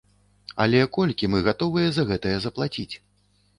Але колькі мы гатовыя за гэтае заплаціць?